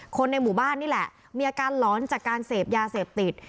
คนในหมู่บ้านนี่แหละมีอาการหลอนจากการเสพยาเสพติด